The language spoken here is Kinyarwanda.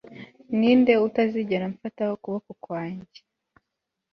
Ni nde utazigera mfata ukuboko kwanjye